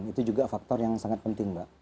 itu juga faktor yang sangat penting mbak